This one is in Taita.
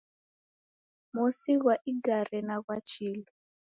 Mosi ghwa igari ni ghwa chilu.